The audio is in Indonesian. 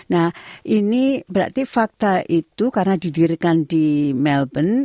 nah ini berarti fakta itu karena didirikan di melbourne